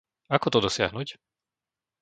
Ako to dosiahnuť?